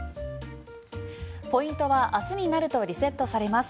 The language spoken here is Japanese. ポイントは明日になるとリセットされます。